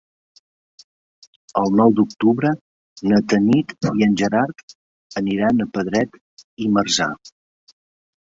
El nou d'octubre na Tanit i en Gerard aniran a Pedret i Marzà.